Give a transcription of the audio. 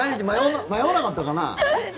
迷わなかったかな？